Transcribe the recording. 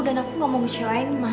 dan aku gak mau ngecewain mas